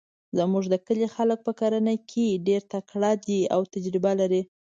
زموږ د کلي خلک په کرنه کې ډیرتکړه ده او تجربه لري